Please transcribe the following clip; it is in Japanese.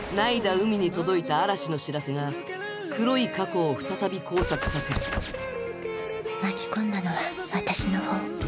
海に届いた嵐の知らせが黒い過去を再び交錯させる巻き込んだのは私の方。